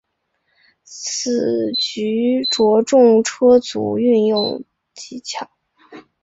此局着重车卒运用技巧。